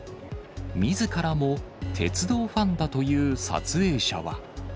みずからも鉄道ファンだという撮影者は。